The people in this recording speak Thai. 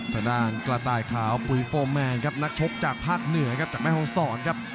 ทางด้านกระต่ายขาวปุ๋ยโฟร์แมนครับนักชกจากภาคเหนือครับจากแม่ห้องศรครับ